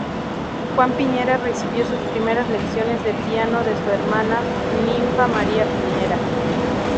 Juan Piñera recibió sus primeras lecciones de piano de su hermana Ninfa María Piñera.